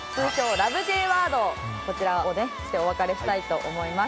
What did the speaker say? Ｊワードをこちらをしてお別れしたいと思います。